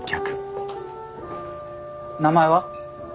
名前は？